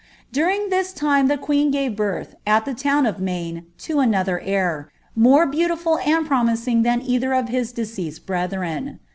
During this time the queen gave birth, at the town Maine, to another heir,' more beautiful and promising than either of deceased brethren.